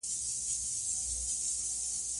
د مور او پلار دعاګانې واخلئ.